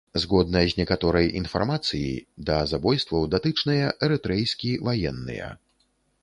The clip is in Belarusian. Згодна з некаторай інфармацыі, да забойстваў датычныя эрытрэйскі ваенныя.